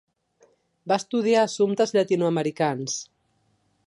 Va estudiar assumptes llatinoamericans.